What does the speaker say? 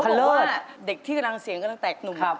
เขาบอกว่าเด็กที่กำลังเสียงกำลังแตกหนุ่ม